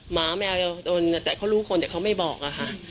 หมาแมวจะโดนแต่เขารู้คนแต่เขาไม่บอกอะค่ะ